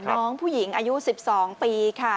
น้องผู้หญิงอายุ๑๒ปีค่ะ